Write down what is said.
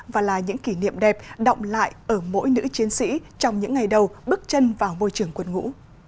và là những kỷ niệm đẹp động lại ở mỗi nữ chiến sĩ trong những ngày đầu bước chân vào môi trường quân ngũ